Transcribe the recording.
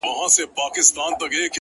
o دي مــــړ ســي،